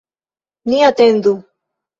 Ni atendu.